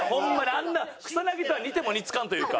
あんな草薙とは似ても似つかんというか。